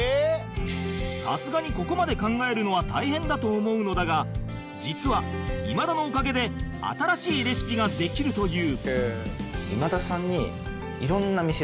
さすがにここまで考えるのは大変だと思うのだが実は今田のおかげで新しいレシピができるという